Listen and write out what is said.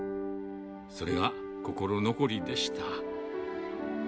それが心残りでした。